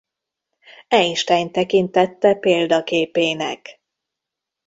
Einsteint tekintette példaképének.